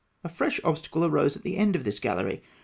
A fresh obstacle arose at the end of this gallery.